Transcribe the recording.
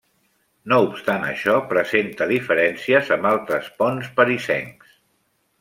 No obstant això, presenta diferències amb altres ponts parisencs.